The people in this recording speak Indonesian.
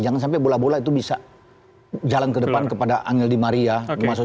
jangan sampai bola bola itu bisa jalan ke depan kepada angel di maria